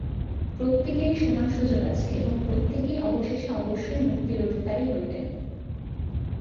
প্রত্যেকেরই সমান সুযোগ আছে এবং প্রত্যেকেই অবশেষে অবশ্যই মুক্তির অধিকারী হইবে।